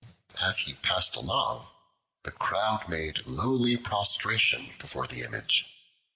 As he passed along, the crowd made lowly prostration before the Image.